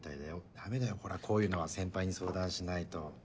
ダメだよこういうのは先輩に相談しないと。